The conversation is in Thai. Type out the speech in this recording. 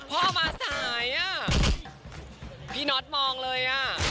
พ่อมาสายพี่น็อตมองเลย